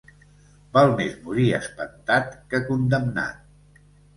Val més morir espantat que condemnat.